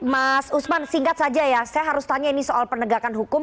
mas usman singkat saja ya saya harus tanya ini soal penegakan hukum